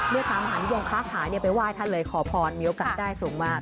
เมื่อตามหาริวองค้าขายไปไหว้ท่านเลยขอพรมีโอกาสได้สูงมาก